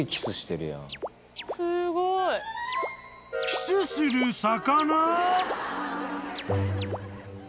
［キスする魚？］